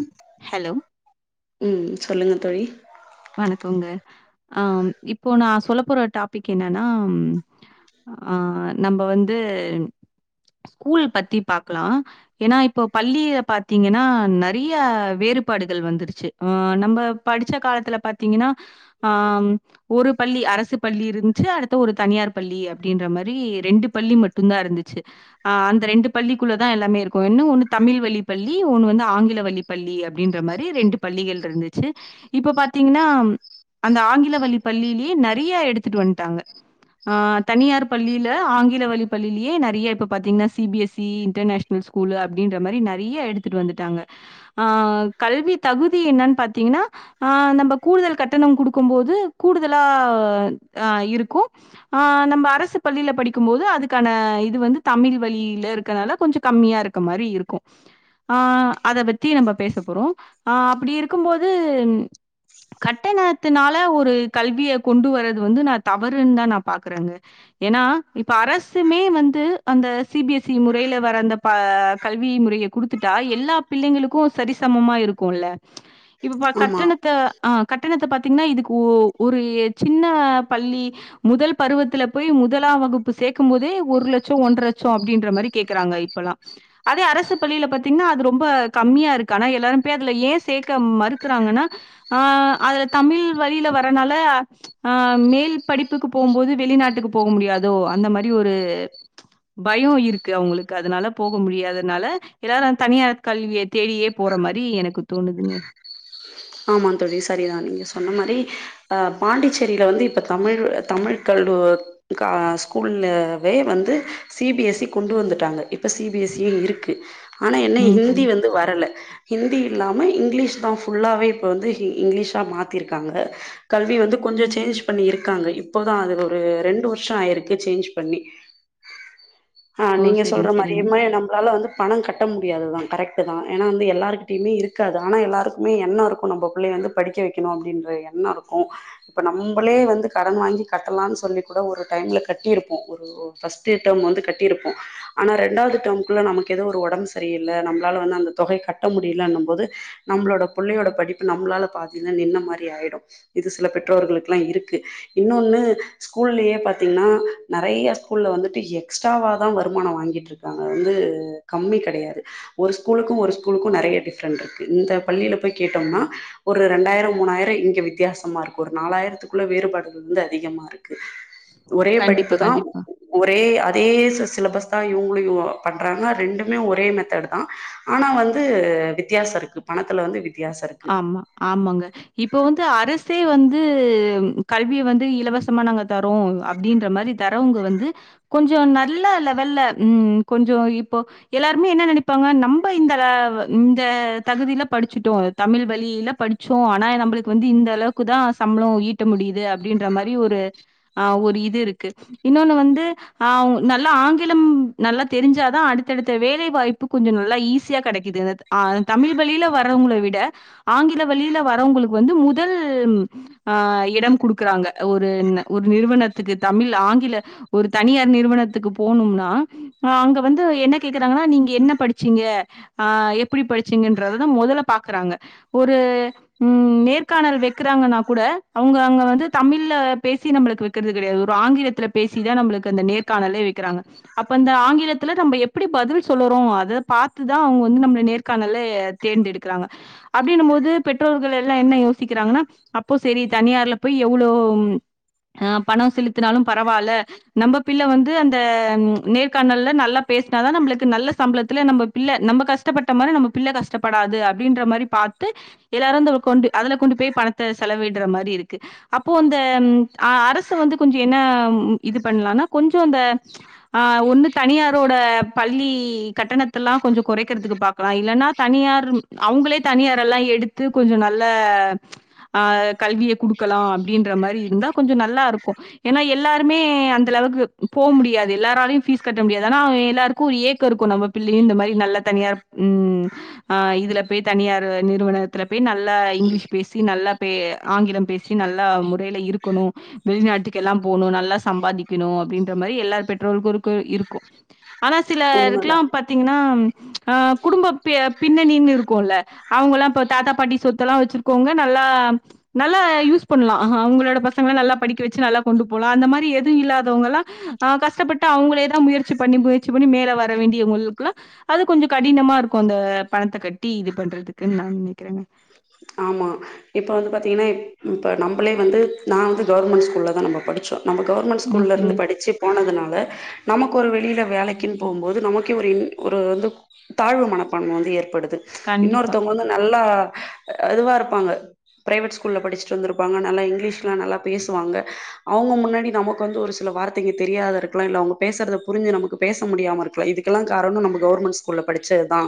ம் ஹலோ ம் சொல்லுங்க தோழி வணக்கோங்க ஆ இப்போ நா சொல்ல போற டாபிக் என்னன்னா ஆ நம்ம வந்து ஸ்கூல் பத்தி பாக்கலா ஏன்னா இப்போ பள்ளிய பாத்தீங்கன்னா நெறையா வேறுபாடுகள் வந்துருச்சு ஆ நம்ம படிச்ச காலத்துல பாத்தீங்கன்னா ஆ ஒரு பள்ளி அரசு பள்ளி இருந்துச்சு அடுத்த ஒரு தனியார் பள்ளி அப்டின்ற மாரி ரெண்டு பள்ளி மட்டுதா இருந்துச்சு ஆ அந்த ரெண்டு பள்ளிக்குள்ள தா எல்லாமே இருக்கு இன்னு ஒண்ணு தமிழ் வழி பள்ளி ஒண்ணு வந்து ஆங்கில வழி பள்ளி அப்டின்ற மாரி ரெண்டு பள்ளிகள் இருந்துச்சு இப்ப பாத் தீங்கன்னா அந்த ஆங்கில வழி பள்ளியிலேயே நெறையா எடுத்துட்டு வந்துட்டாங்க ஆ தனியார் பள்ளியில ஆங்கில வழி பள்ளியிலேயே நெறையா இப்ப பாத்தீங்கன்னா C B S C இன்டர்நேஷ் school அப்டின்ற மாரி நெறைய எடுத்துட்டு வந்துட்டாங்க ஆ கல்வி தகுதி என்னன்னு பாத்தீங்கன்னா அ நம் இப்போ கூடுதல் கட்டணம் கொடுக்கு போது கூடுதலா ஆ இருக்கு ஆ நம்ம அரசு பள்ளியில படிக்கு போது அதுக்கான இது வந்து தமிழ் வழியில இருக்கனால கொஞ்சோ கம்மியா இருக்கு க்க மாரி இருக்கு ஆ அத பத்தி நம்ம பேச போறோ ஆ அப்டி இருக்குபோது கட்டணத்தினால ஒரு கல்விய கொண்டு வரறது வந்து நா தவறுன்னு தா நா பாக்குறே ஏன்னா இப்ப அரசுமே வந்து அந்த சி பி எஸ் இ முறையில வர அந்த அ கல்வி முறைய குடுத்துட்டா எல்லா பிள்ளைங்களுக்கு அது சரிசமமா இருக்குல்ல இப்ப பா ஆமா கட்டணத்த ஆ கட்டணத்த பாத்தீங்கன்னா இதுக்கு ஒ ஒரு சின்ன பள்ளி முதல் பருவத்தில போய் முதலா வகுப்பு சேர்க்கு போதே ஒரு லட்சோ ஒன்ற லட்சோ அப்டின்ற மாரி கேக்குறாங்க இப்பல்லா அதே அரசு பள்ளியில பாத்தீங்கன்னா அது ரொம்ப கம்மியா இருக்கு ஆனா எல்லாரு போய் அதுல ஏ சேர்க்க மறுக்குறாங்கன்னா ஆ அதுல தமிழ் வழியில வர்றனால ஆ மேல் படிப்புக்கு போம்போது வெளிநாட்டுக்கு போக முடியாதோ அந்த மாரி ஒரு பயோ இருக்கு அவங்களுக்கு அதனால போக முடியாதனால எல்லாரு தனியார் கல்விய தேடியே போற மாரி எனக்கு தோணுதுங்க ஆமா தோழி சரிதா நீங்க சொன்ன மாரி அ பாண்டிச்சேரில வந்து இப்ப தமிழ் தமிழ் கல்லூ ஸ்கூல்லவே வந்து சி பி எஸ் சி கொண்டு வந்துட்டாங்க இப்ப சி பி எஸ் சி யே இருக்கு ஆனா என்ன ம். கண்டிப்பா. ஹிந்தி வந்து வர்ல ஹிந்தி இல்லாம இங்கிலீஷ் தா ஃபுல்லாவே இப்போ வந்து இங்கிலீஷா மாத்திருக்காங்க கல்வி வந்து கொஞ்சோ சேஞ்ச் பண்ணி இருக்காங்க இப்போதா அது ஒரு ரெண்டு வருஷோ ஆயிருக்கு சேஞ்ச் பண்ணி ஆ ஓ! நீங்க சரிங்க, சொல்ற மாரி சரிங்க. எம்மா நம்ளால வந்து பணோ கட்ட முடியாது தா கரெக்ட் தா ஏனா வந்து எல்லாருகிட்டயுமே இருக்காது ஆனா எல்லாருக்குமே எண்ணோ இருக் நம்போ பிள்ளைய வந்து படிக்க வைக்கணு அப்படின்ற எண்ணோ இருக்கு இப்ப நம்ளே வந்து கடன் வாங்கி கட்டலான் சொல்லி கூட ஒரு டைம்ல கட்டி இருப்போ ஒரு ஒ ஃபஸ்ட்டு டெம் வந்து கட்டியிருப்போ ஆனா ரெண்டாவது டெர்ம்க்குள்ள நமக்கு ஏதோ ஒரு ஒடம்பு சரியில்ல நம்ளால வந்து அந்த தொகை கட்ட முடியலன்னும் போது நம்ளோட பிள்ளையோட படிப்பு நம்ளால பாத்தீங்ன்னா நின்ன மாரி ஆயிடு இது சில பெற்றோர்களுக்லா இருக்கு இன்னொன்னு ஸ்கூல்லேயே பாத்தீங்ன்னா நெறைய ஸ்கூல்ல வந்துட்டு எக்ஸ்ட்ராவா தா வருமானோ வாங்கிட் இரு க்றாங்க வந்து கம்மி கெடயாது ஒரு ஸ்கூலுக்கு ஒரு ஸ்கூலுக்கு நெறய டிஃப்ரெண்ட் இருக்கு இந்த பள்ளியில போய் கேட்டோம்னா ஒரு இரண்டாயிரோ மூணாயிரோ இங்க வித்தியாசமா இருக்கு ஒரு நாலாயிரத்துக்குள்ள வேறுபாடுகள் வந்து அதிகமா இருக் ஒரே கண்டிப்பா, படிப்புதா கண்டிப்பா. ஒரே அதே சி சிலபஸ் தா இவங்களு பண்றாங்க ரெண்டுமே ஒரே மெத்தட் தா ஆனா வந்து வித்தியாசோ இருக்கு பணத்துல வந்து வித் ஆமா ஆமாங்க இப்போ வந்து அரசே வந்து கல்விய வந்து இலவசமா நாங்க தரோ அப்டின்ற மாரி தரவங்க வந்து கொஞ்சோ நல்ல லெவல்ல ம் கொஞ்சோ இப்போ எல்லாருமே என்ன நெனைப்பாங்க நம்ப இந்த இந்த தகுதியில படிச்சுட்டோ தமிழ் வழியில படிச்சோ ஆனா நம்ளுக்கு வந்து இந்த அளவுக்கு தா சம்பளோ ஈட்ட முடியுது அப்படின்ற மாரி ஒரு ஆ ஒரு இது இருக்கு இன்னொன்னு வந்து ஆ நல்லா ஆங்கிலம் நல்லா தெரிஞ்சாதா அடுத்தடுத்த வேலை வாய்ப்பு கொஞ்சோ நல்லா ஈஸியா கெடைக்குது நேத் ஆ தமிழ் வழியில வரவங்கள விட ஆங்கில வழியில வரவங்களுக்கு வந்து முதல் ஆ இடம் குடுக்குறாங்க ஒரு ந ஒரு நிறுவனத்துக்கு தமிழ் ஆங்கில ஒரு தனியார் நிறுவனத்துக்கு போனும்னா ஆ அங்க வந்து என்ன கேக்குறாங்கன்னா நீங்க என்ன படிச்சீங்க ஆ எப்டி படிச்சீங்கன்றததா மொதல்ல பாக்குறாங்க ஒரு ம் நேர்காணல் வக்கிறாங்கன்னா கூட அவுங்க அங்க வந்து தமிழ்ல பேசி நம்ளுக்கு வக் வக்றது கெடயாது ஒரு ஆங்கிலத்துல பேசிதா நம்ளுக்கு அந்த நேர்காணலே வைக்கிறாங்க அப்ப அந்த ஆங்கிலத்துல நம்ப எப்படி பதில் சொல்லுறோ அத பாத்துதா அவுங்க வந்து நம்பள நேர்காணலே தேர்ந்தெடுக்குறாங்க அப்டின்னும் போது பெற்றோர்கள் எல்லா என்ன யோசிக்கிறாங்கன்னா அப்போ செரி தனியார்ல போய் எவ்ளோ ஆ பணம் செலுத்தினாலு பரவால்ல நம்ப பிள்ள வந்து அந்த நேர்காணல்ல நல்லா பேசினாதா நம்ளுக்கு நல்ல சம்பளத்துலே நம்ப பிள்ள நம்ப கஷ்டப்பட்ட மாரி நம்ப பிள்ள கஷ்டப்படாது அப்டின்ற மாரி பாத்து எல்லாரு த கொண்டு அதுல கொண்டு போய் பணத்த செலவிடுற மாரி இருக்கு அப்போ அந்த அ அரசு வந்து கொஞ்சோ என்ன இது பண்லான்னா கொஞ்சோ இந்த ஆ ஒன்னு தனியா ரோட பள்ளி கட்டணத்தல்லா கொஞ்சோ கொறைக்றதுக்கு பாக்கலா இல்லன்னா தனியார் அவுங்களே தனியார் எல்லா எடுத்து கொஞ்சோ நல்ல ஆ கல்விய குடுக்கலா அப்டின்ற மாரி இருந்தா கொஞ்சோ நல்லா இருக்கு ஏனா எல்லாருமே அந்த அளவுக்கு போ முடியாது எல்லாராலையு ஃபீஸ் கட்ட முடியாது ஆனா எல்லாருக்கு ஒரு ஏக்கோ இருக்கு நம்ம பிள்ளையு இந்த மாரி நல்லா தனியார் ம் ஆ இதுல போய் தனியார் நிறுவனத்துல போய் நல்லா இங்கிலீஷ் பேசி நல்லா பே ஆங்கிலம் பேசி நல்லா முறைல இருக்கணு வெளிநாட்டுக்கெல்லா போணு நல்லா சம்பாதிக்கணு அப்டின்ற மாரி எல்லார் பெற்றோல்குருக்கு இருக்கு ஆனா உண்மதா சிலருக்கெல்லா பாத்தீங்கன்னா ஆ குடும்ப பி பின்னணினு இரு குல்ல அவுங்கலா இப்பொ தாத்தா பாட்டி சொத்தெல்லா வச்சிருக்கோவங்க நல்லா நல்லா யூஸ் பண்லா அவ்ங்களோட பசங்களா நல்லா படிக்க வச்சு நல்லா கொண்டு போலா அந்த மாரி எதுவு இல்லாதவங்கலா ஆ கஷ்டப்பட்டு அவ்ங்களே தா முயற்சி பண்ணி முயற்சி பண்ணி மேல வர வேண்டியவங்களுக்குல்லா அது கொஞ்சொ கடினமா இருக்கு அந்த பணத்த கட்டி இது பண்றதுக்கு நான் நெனக்கிறங்க ஆமா இப்போ வந்து பாத்திங்கன்னா இப் ப நம்பளே வந்து நா வந்து கவ்ர்மெண்ட் ஸ்கூல்ல தா நம்ப படிச்சோ நம்ப கவ்ர்மெண்ட் ஓகேங்க. ஸ்கூல்லேர்ந்து படிச்சு போனதுனால நமக்கு ஒரு வெளில வேலைக்குன் போம் போது நமக்கே ஒரு இன் ஒரு வந்து தாழ்வு மனப்பான்ம வந்து ஏற்படுது கண்டிப்பா, இன்னொருத்தவங்க வந்து நல்லா இதுவா இருப்பாங்க ப்ரைவேட் ஸ்கூல்ல படிச்சுட்டு வந்துருப்பாங்க நல்லா இங்கிலீஷ்லா நல்லா பேசுவாங்க அவ்ங்க முன்னாடி நமக்கு வந்து ஒரு சில வார்த்தைங்க தெரியாத இருக்கலா இல்ல அவ்ங்க பேசுறத புரிஞ்சு நமக்கு பேச முடியாம இருக்கலா இதுக்கெல்லா காரணொ நம்ப கவ்ர்மெண்ட் ஸ்கூல்ல படிச்சதுதா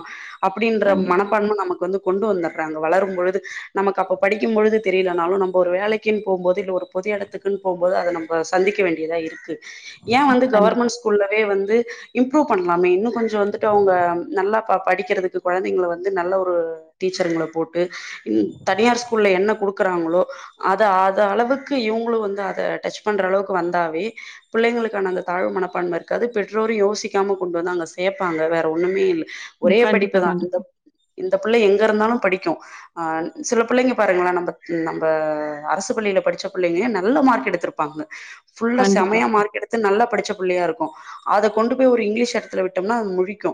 அப்டின்ற கண்டிப்பா, மனப்பான்ம நமக்கு வந்து கொண்டு வந்தர்றாங்க வளரும் பொழுது நமக்கு அப்போ படிக்கெம் பொழுது தெரிலனாலு நம்ப ஒரு வேலைக்கீன் போம்போது இல்ல ஒரு பொது எடத்துக்குன் போம்போது அத நம் ப சந்திக்க வேண்டியதா இருக்கு ஏ வந்து கண்டிப்பா. கவர்மெண்ட் ஸ் கூல்லவே வந்து இம்ப்ரூவ் பண்லாமே இன்னு கொஞ்சொ வந்துட்டு அவ்ங்க நல்லா ப படிக்கிறதுக்கு கொழந்தைங்கள வந்து நல்ல ஒரு டீச்சருங்கள போட்டு இன் தனியார் ஸ்கூல்ல என்ன குடுக்குறாங்களோ அத அத அளவுக்கு இவுங்களு வந்து அத டச் பண்ற அளவுக்கு வந்தாவே புள்ளைங்களுக்கான அந்த தாழ்வு மனப்பான்ம இருக்காது பெற்றோரு யோசிக்காம கொண்டு வந்து அங்க சேப்பாங்க வேற ஒண்ணுமே இல்ல ம். ஒரே கண்டிப்பா, படிப்புதா இந்த இந்தப் புள்ள எங்க இருந்தாலு படிக்கு ஆ சில புள்ளைங்க பாருங்களே நம்ப நம்ப அரசு பள்ளியில படிச்ச புள்ளைங்க நல்ல மார்க் எடுத்ருப்பாங்க ஃபுல்லா கண்டிப்பா, செமையா மார்க்கெடுத் து நல்லா படிச்ச புள்ளையா இருக்கு அத கொண்டு போய் ஒரு இங்கிலீஷ் எடத்துல விட்டோம்னா அது முழிக்கு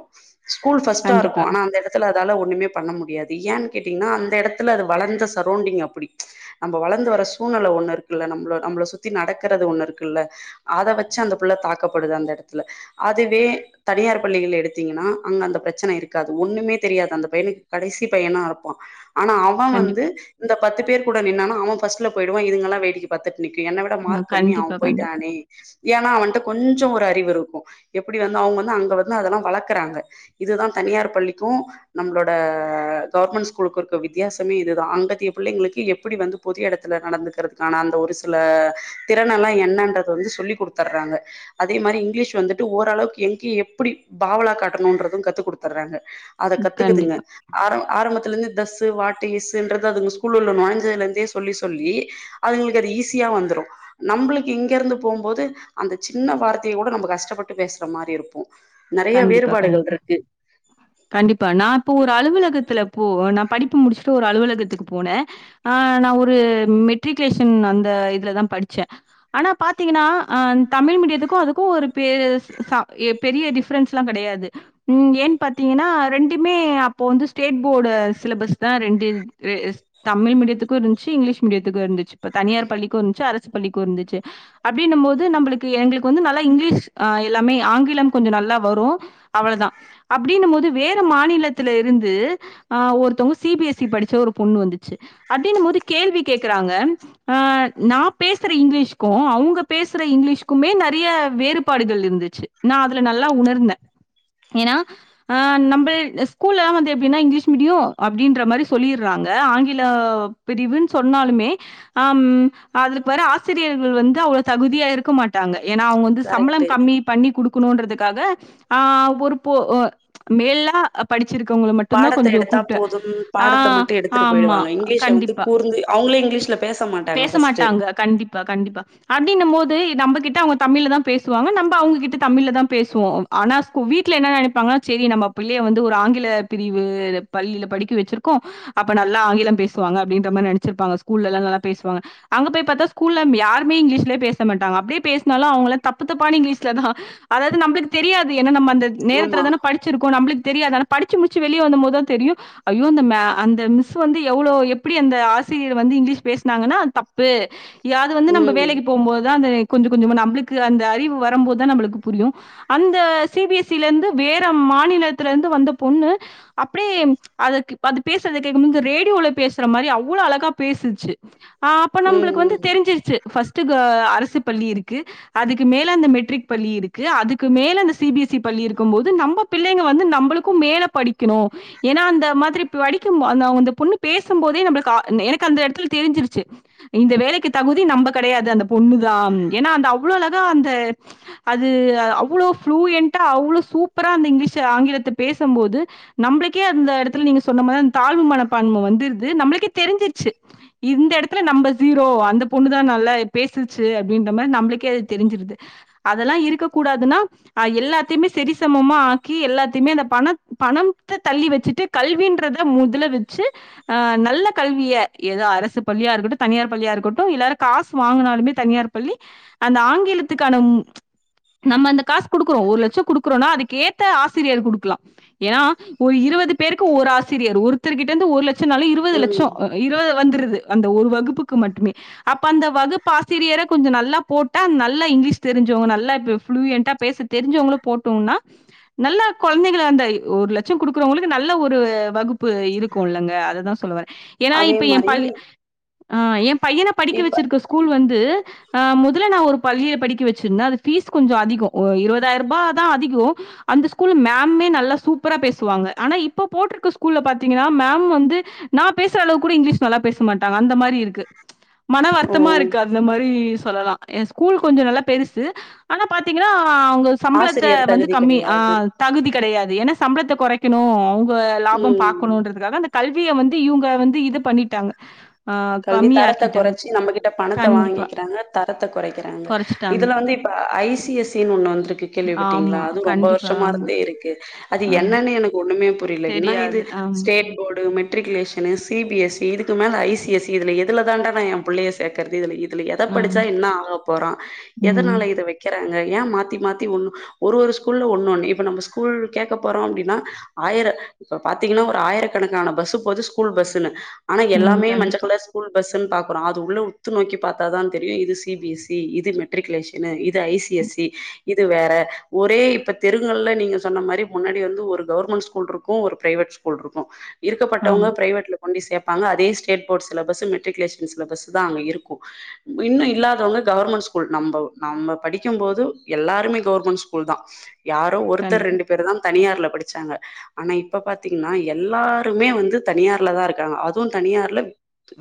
ஸ்கூல் ஃபஸ்ட்டா இருக்கு கண்டிப்பா, ஆனா அந்த எடத்துல அதால ஒண்ணுமே பண்ண முடியாது ஏன்னு கேட்டீங்கன்னா அந்த எடத் துல அது வளந்த சரௌண்டிங் அப்புடி நம்ம வளந்து வர சூழ்நெல ஒண்ணு இருக்குல நம்மள நம்மள சுத்தி நடக்குறது ஒண்ணு இருக்குல்ல அத வச்சு அந்த புள்ள தாக்கப்படுது அந்த எடத்துல அதுவே தனியார் பள்ளிகள் எடுத்தீங்கன்னா அங்க அந்த ப்ரச்சன இருக்காது ஒண்ணுமே தெரியாது அந்த பையனுக்கு கடைசி பையனா இருப்பா ஆனா அவ கண்டிப்பா, வந்து கண்டிப்பா, இந்த பத்து பேரு கூட நின்னானா அவ ஃபஸ்ட்ல போய்டுவா இதுங்கல்லா வேடிக்க பாத்துட் நிக்கு என்ன விட அ மார்க் கம்மி அவ கண்டிப்பா, கண்டிப்பா, போய்ட்டானே ஏனா அவன்ட்ட கொஞ்சொ ஒரு அறிவு இருக்கு எப்டி வந்து அவ்ங்க வந்து அங்க வந்து அதெல்லா வளக்குறாங்க இதுதா தனியார் பள்ளிக்கு நம்மளோட கவர்மெண்ட் ஸ்கூலுக்கு இருக் கு வித்தியாசமே இதுதா அங்கத்ய புள்ளைங்களுக்கு எப்டி வந்து பொது எடத்துல நடந்துக்குறதுக்கான அந்த ஒரு சில திறனல்லா என்னன்றது வந்து சொல்லிக் குடுத்தர்றாங்க அதே மாரி இங்கிலீஷ் வந்துட்டு ஓரளவுக்கு எங்க எப்டி பாவ்லா காட்டணுன்றது கத்துக் குடுத்துர்றாங்க அத ம். கத்துக்குதுங்க கண்டிப்பா, ஆரம் ஆரம்பத்துலந்து தஸ் து வாட்டு இஸ்ஸுன்றத அதுங்க ஸ்கூல் உள்ள நொழஞ்சதுலேந்தே சொல்லி சொல்லி அதுங்களுக்கு அது ஈஸியா வந்துரு நம்ப்ளுக்கு இங்கர்ந்து போம்போது அந்த சின்ன வார்த்தைய கூட நம்ம கஷ்டப்பட்டு பேசுற மாரி இருப்போ கண்டிப்பா கண்டிப் கண்டிப்பா நா இப்போ ஒரு அலுவலகத்துல போ நா படிப்பு முடிச்சுட்டு ஒரு அலுவலகத்துக்கு போன ஆ நா ஒரு மெட்ரிகுலேஷன் அந்த இதுலதா படிச்சே ஆனா பாத்தீங்கன்னா ஆ தமிழ் மீடியத்துக்கு அதுக்கு ஒரு பெ பெரிய டிஃப் ரென்ஸ்ல்லா கெடையாது ம் ஏன் பாத்தீங்கன்னா ரெண்டுமே அப்போ வந்து ஸ்டேட் போர்ட் சிலபஸ் தா ரெண்டு தமிழ் மீடியத்துக்கு இருந்துச்சி இங்கிலீஷ் மீடியத்துக்கு இருந்துச்சி இப்ப தனியார் பள்ளிக்கு இருந்துச்சி அரசு பள்ளிக்கு இருந்துச்சி அப்டின்னும் போது நம்மளுக்கு எங்களுக்கு வந்து நல்லா இங்கிலீஷ் ஆ எல்லாமே ஆங்கிலம் கொஞ்ச நல்லா வரு அவ்ளதா அப்டின்னும் போது வேற மாநிலத்துல இருந்து ஆ ஒருத்தவங்க சி பி எஸ் சி படிச்ச ஒரு பொண்ணு வந்துச்சி அப்டின்னும் போது கேள்வி கேக்குறாங்க ஆ நா பேசுற இங்கிலீஷ்க்கு அவுங்க பேசுற இங்கிலீஷ்குமே நெறைய வேறுபாடுகள் இருந்துச்சி நா அதுல நல்லா உணர்ந்தே ஏன்னா ஆ நம்பல் ஸ்கூல்லல்லா வந்து எப்டின்னா இங்கிலீஷ் மீடியம் அப்டின்ற மாரி சொல்லிர்றாங்க ஆங்கில பிரிவுன்னு சொன்னாலுமே ஆ ம் அதுக்கு வர்ற ஆசிரியர்கள் வந்து அவ்வள தகுதியா இருக்க மாட்டாங்க ஏன்னா அவுங்க வந்து சம்பளம் கரெக்ட்டு கம்மி பண்ணி குடுக்கணுன்றதுக்காக ஆ ஒரு பொ மேல் னா படிச்சிருக்கவங்கள மட்டுந்தா பாடத்த கொஞ்சோ எடுத்தா கூப்டே போதும் ஆ பாடத்த மட்டு எடுத்துட்டு ஆமா போயிடுவாங்க இங்கிலீஷ வந்து கண்டிப் கூர்ந்து அவுங்களே இங்கிலீஷ்ல பேச மாட்டாங்க ஃபர்ஸ் மாட்டாங்க கண்டிப்பா கண்டிப்பா அப்டின்னும் போது நம்மகிட்ட அவுங்க தமிழ்லதா பேசுவாங்க நம்ப அவுங்ககிட்ட தமிழ்லதா பேசுவோ ஆனா வீட்ல என்ன நெனப்பாங்கன்னா செரி நம்ம பிள்ளையை வந்து ஒரு ஆங்கில பிரிவு பள்ளில படிக்க வச்சிருக்கோ அப்ப நல்லா ஆங்கிலம் பேசுவாங்க அப்டின்ற மாரி நெனச்சிருப்பாங்க ஸ்கூல்லல்லா நல்லா பேசுவாங்க அங்க போய் பாத்தா ஸ்கூல்ல யாருமே இங்கிலீஷ்லயே பேச மாட்டாங்க அப்டியே பேசுனாலு அவுங்கல்லா தப்பு தப்பான இங்கிலீஷ்லதா அதாது நம்பளுக்கு தெரியாது ஏன்னா நம்ம அந்த ஆமா நேரத்துல தான படிச் சிருக்கோ நம்பளுக்கு தெரியாது ஆனா படிச்சி முடிச்சி வெளிய வந்த போதுதா தெரியு ஐயோ அந்த மே அந்த மிஸ் வந்து எவ்ளோ எப்டி அந்த ஆசிரியர் வந்து இங்கிலீஷ் பேசுனாங்கன்னா அது தப்பு இதாது வந்து நம்ம ம் வேலைக்கி போம்போதுதா அந்த கொஞ்ச கொஞ்சமா நம்பளுக்கு அந்த அறிவு வரம்போதுதா நம்பளுக்கு புரியு அந்த சி பி எஸ் சில இருந்து வேற மாநிலத்துல இருந்து வந்த பொண்ணு அப்டியே அதுக்கு அது பேசுறத கேக்கும்போது ரேடியோல பேசுற மாரி அவ்ளோ அழகா பேசுச்சி ஆ அப்ப ம் நம்பளுக்கு வந்து ம் தெரிஞ்சிருச்சி ஃபஸ் ட் இந்த அரசு பள்ளி இருக்கு அதுக்கு மேல அந்த மெட்ரிக் பள்ளி இருக் கு அதுக்கு மேல அந்த சி பி எஸ் சி பள்ளி இருக்கும் போது நம்ம பிள்ளைங்க வந்து நம்பளுக்கும் மேல படிக்கணு ஏன்னா அந்த மாதிரி படிக்கும் அந்த அந்த பொண்ணு பேசும் போதே நம்மளுக்கு எனக்கு அந்த எடத்துல தெரிஞ்சிருச்சி இந்த வேலைக்கு தகுதி நம்ம கெடையாது அந்த பொண்ணு தா ஏன்னா அந்த அவ்வளவு அழகா அந்த அது அவ்ளோ ப்ளூயண்டா அவ்ளோ சூப்பரா அந்த இங்கிலீஷ ஆங்கிலத்த பேசம்போது நம்பளுக்கே அந்த எடத்துல நீங்க சொன்ன மாரி அந்த தாழ்வு மனப்பான்ம வந்துர்து நம்பளுக்கே தெரிஞ்சிருச்சி இந்த எடத்துல நம்ம ஜீரோ அந்த பொண்ணு தா நல்லா பேசுச்சி அப்டின்ற மாரி நம்பளுக்கே அது தெரிஞ்சிருது அதெல்லா இருக்க கூடாதுன்னா ஆ எல்லாத்தையுமே சரி சமமா ஆக்கி எல்லாத்தையுமே அந்த பணத் பணத்த தள்ளி வச்சிட்டு கல்வின்றத முதல வச்சி ஆ நல்ல கல்விய ஏதோ அரசு பள்ளியா இருக்கட்டு தனியார் பள்ளியா இருக்கட்டு எல்லாரு காசு வாங்குனாலுமே தனியார் பள்ளி அந்த ஆங்கிலத்துக்கான நம்ம அந்த காசு குடுக்குறோ ஒரு லட்சோ குடுக்குறோன்னா அதுக்கேத்த ஆசிரியர் குடுக்கலா ஏன்னா ஒரு இருவது பேருக்கு ஒரு ஆசிரியர் ஒருத்தர்கிட்ட இருந்து ஒரு லட்சம்னாலு இருவது ம் லட்சோ இருவது வந்துருது அந்த ஒரு வகுப்புக்கு மட்டுமே அப்ப அந்த வகுப்பு ஆசிரியர கொஞ்சோ நல்லா போட்டா நல்லா இங்கிலீஷ் தெரிஞ் சவங்க நல்லா இப்ப புளூயண்டா பேச தெரிஞ்சவங்கள போட்டோன்னா நல்லா கொழந்தைகள அந்த ஒரு லட்சோ குடுக்குறவங்களுக்கு நல்ல ஒரு வகுப் உப்பு இருக்கோ இல்லங்க அததா சொல்லவரே ஏன்னா அதே இப்ப ஏ மாரி பைய ஆ ஏ பையன படிக்க இப்ப வெச்சிருக்க ஸ்கூல் வந்து அ முதல்ல நா ஒரு பள்ளில படிக்க வெச் சுருந்த அது ஃபீஸ் கொஞ்சோ அதிகோ இருவதாயிரபா தா அதிகோ அந்த ஸ்கூல்ல மேம்மே நல்லா சூப்பரா பேசுவாங்க ஆனா இப்ப போட்ருக்க ஸ்கூல்ல பாத்தீங்கன்னா மேம் வந்து நா பேசுற அளவுக்கு கூட இங்கிலீஷ் நல்லா பேச மாட்டாங்க அந்த மாரி இருக்கு மன ஓ வருத்தமா இருக்கு அந்த மாரி சொல்லலா ஏ ஸ்கூல் கொஞ்சோ நல்லா பெரு சு ஆனா பாத்தீங்கன்னா அவங்க சம்பளத்த ஆசிரியர் வந்து தகுதி கம்மி அ கெடையாது தகுதி கெடையாது ஏன்னா சம்பளத்த கொறைக்கணோ அவுங்க லாபோ ம் பாக்கனோன்றதுக்காக அந்த கல்விய வந்து இவுங்க வந்து இது பண்ணிட்டாங்க ஆ கல்வி தரத்த கம்மியாக்கிட்டாங்க. கொறச்சி நம்மகிட்ட பணத்த கண்டிப்பா. வாங்கிக்கிறாங்க தரத்த கொறைக்கிறாங்க கொறச்சுட்டாங்க. இதுல வந்து இப்ப ஐ சி எஸ் ஐ னு ஒண்ணு வந்திருக்கு கேள்விப்பட்டீங்களா ஆமா. அதுவு ரொம்ப கண்டிப்பா. வர்ஷமா ஆமா, இருந்தே இருக்கு அது ஆமா. என்னன்னு எனக்கு ஒண்ணுமே புரியுல இன்னா இது தெரியாது. ஆமா, ஸ்டேட் போர்டு மெட்ரிகுலேஷனு சி பி எஸ் சி இதுக்கு மேல ஐ சி எஸ் சி இதுல எதுலதாண்டா நா ஏ புள்ளைய சேக்கறது இதுல இது இதுல எத படிச்சா ஆமா. என்னா ஆக போறா ம், எதனால இத வெக்கிறாங்க ஏ மாத்தி மாத்தி ஒண்ணு ஒரு ஒரு ஸ்கூல்ல ஒண்ணு ஒண்ணு இப்ப நம்ப ஸ்கூல் கேட்க போறோ அப்டீன்னா ஆயிர இப்ப பாத்தீங்கன்னா ஒரு ஆயிரக்கணக்கான பஸ்ஸு போது ஸ்கூல் பஸ்ஸுனு ஆனா ம். எல்லாமே மஞ்ச கண்டிப்பா. கலர் ஸ்கூல் பஸ்ஸுனு பாக்குறோ அது உள்ள உத்து நோக்கி பாத்தாதா தெரியு இது சி பிஸ் இ இது மெட் ரிக்குலேஷனு இது ஐ சி எஸ் இ இது வேற ஒரே இப்ப தெருங்கல்ல நீங்க சொன்ன மாரி முன்னாடி வந்து ஒரு கவர்மெண்ட் ஸ்கூல் இருக்கோ ஒரு பிரைவேட் ஸ்கூல் இருக்கோ இருக்கப்பட்டவங்க ஆமா, பிரைவேட்ல கொண்டுபோயி சேப்பாங்க அதே state boards syllabus matriculation syllabus தா அங்க இருக்கோ இன்னோ இல்லாதவங்க கவர்மெண்ட் ஸ்கூல் நம்ம படிக்கும் போது எல்லாருமே கவர்மெண்ட் ஸ்கூல் தா யாரோ ஒருத்தர் கண்டிப்பா. ரெண்டு பேரு தா தனியார்ல படிச்சாங்க ஆனா இப்ப பாத்தீங்கனா எல்லாருமே வந்து தனியார்லதா இருக்காங்க அதுவு தனியார்ல